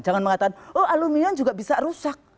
jangan mengatakan oh aluminium juga bisa rusak